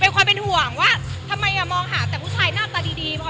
ความเป็นห่วงว่าทำไมมองหาแต่ผู้ชายหน้าตาดี